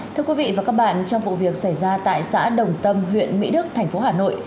thưa quý vị và các bạn trong vụ việc xảy ra tại xã đồng tâm huyện mỹ đức thành phố hà nội